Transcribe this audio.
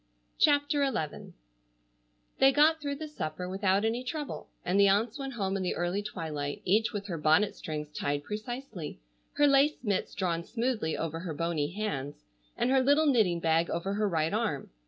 CHAPTER XI They got through the supper without any trouble, and the aunts went home in the early twilight, each with her bonnet strings tied precisely, her lace mitts drawn smoothly over her bony hands, and her little knitting bag over her right arm.